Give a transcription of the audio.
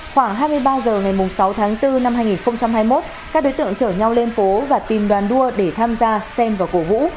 khoảng hai mươi ba h ngày sáu tháng bốn năm hai nghìn hai mươi một các đối tượng chở nhau lên phố và tìm đoàn đua để tham gia xen và cổ vũ